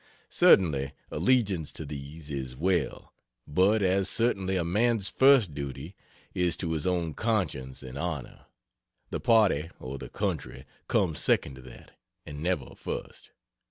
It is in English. Certainly allegiance to these is well; but as certainly a man's first duty is to his own conscience and honor the party or the country come second to that, and never first.